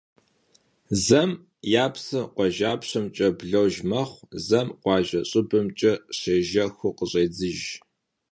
Зэм я псыр къуажапщэмкӀэ блэж мэхъу, зэм къуажэ щӀыбымкӀэ щежэхыу къыщӀедзыж.